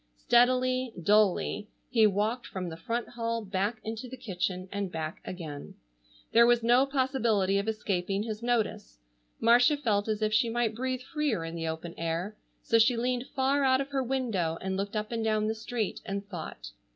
Steadily, dully, he walked from the front hall back into the kitchen and back again. There was no possibility of escaping his notice. Marcia felt as if she might breathe freer in the open air, so she leaned far out of her window and looked up and down the street, and thought.